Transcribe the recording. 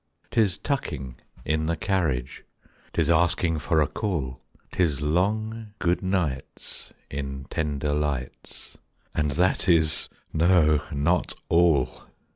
'Tis tucking in the carriage, 'Tis asking for a call; 'Tis long good nights in tender lights, And that is no, not all!